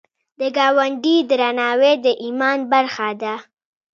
د ګاونډي درناوی د ایمان برخه ده